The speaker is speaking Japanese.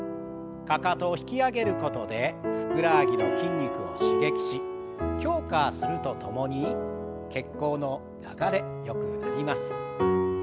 かかとを引き上げることでふくらはぎの筋肉を刺激し強化するとともに血行の流れよくなります。